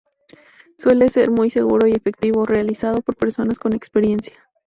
Suele ser muy seguro y efectivo, realizado por personas con experiencia.